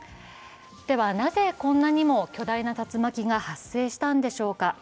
なぜこんなにも巨大な竜巻が発生したんでしょうか。